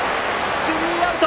スリーアウト！